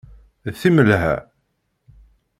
D timelha.